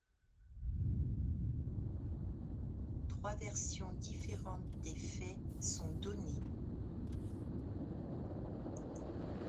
Lors du procès trois versions différentes des faits sont données.